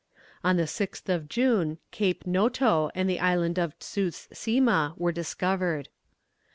On the 6th of June Cape Noto and the island of Tsus Sima were discovered.